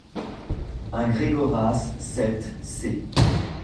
un Gregoras, sept, c.